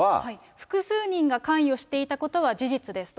複数人が関与していたことは事実ですと。